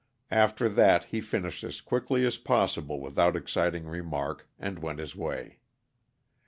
After that he finished as quickly as possible without exciting remark, and went his way.